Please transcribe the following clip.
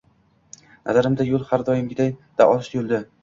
Nazarimda, yo`l har doimgidan-da olis tuyuldi